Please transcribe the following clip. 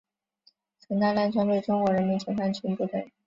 曾大量装备中国人民解放军部队。